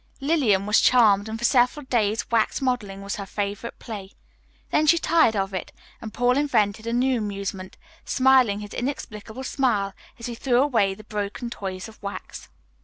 Lillian was charmed, and for several days wax modeling was her favorite play. Then she tired of it, and Paul invented a new amusement, smiling his inexplicable smile as he threw away the broken toys of wax.